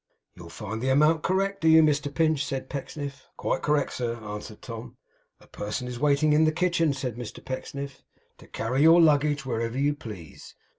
'You find the amount correct, do you, Mr Pinch?' said Pecksniff. 'Quite correct, sir,' answered Tom. 'A person is waiting in the kitchen,' said Mr Pecksniff, 'to carry your luggage wherever you please.